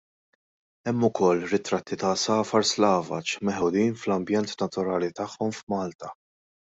Hemm ukoll ritratti ta' għasafar slavaġ meħudin fl-ambjent naturali tagħhom f'Malta.